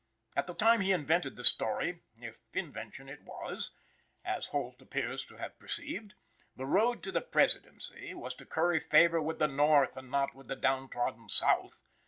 At the time he invented the story, if invention it was, (as Holt appears to have perceived), the road to the Presidency was to curry favor with the North and not with the down trodden South.